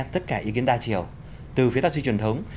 tất cả ý kiến đa chiều từ phía taxi truyền thống